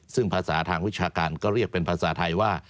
ซึ่งภาษาทางวิชาการก็เรียกเป็นภาษาไทยว่า